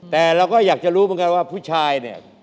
แต่เราก็อยากจะรู้เหมือนกันว่าผู้ชายเนี่ย